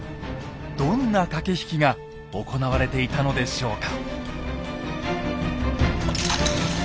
どんな駆け引きが行われていたのでしょうか。